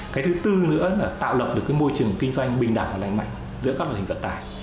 cái thứ tư nữa là tạo lộng được môi trường kinh doanh bình đẳng và đánh mạnh giữa các loại hình vận tải